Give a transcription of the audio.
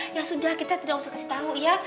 ya sudah kita tidak usah kasih tau ya